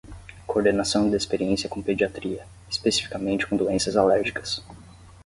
Coordenação de experiência com pediatria, especificamente com doenças alérgicas.